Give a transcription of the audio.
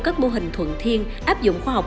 các mô hình thuận thiên áp dụng khoa học